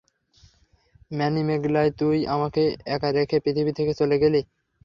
মানিমেগলাই, তুই আমাকে একা রেখে পৃথিবী থেকে চলে গেলি।